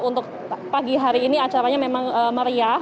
untuk pagi hari ini acaranya memang meriah